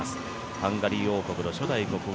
ハンガリー王国の初代国王